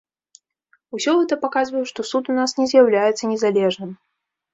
Усё гэта паказвае, што суд у нас не з'яўляецца незалежным.